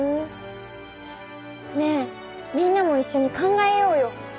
ねえみんなもいっしょに考えようよ。